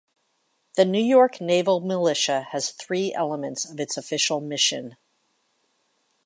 The New York Naval Militia has three elements of its official mission.